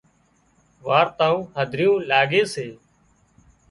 وارتائون هڌريون لاڳي سي